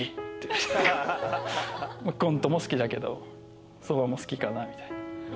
コントも好きだけど蕎麦も好きかなみたいな。